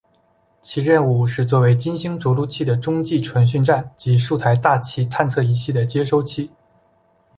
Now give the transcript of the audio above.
其任务是做为金星着陆器的中继传讯站及数台大气探测仪器的接收器。